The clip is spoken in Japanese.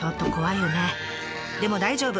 でも大丈夫！